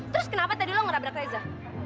terus kenapa tadi lo ngerabrak reza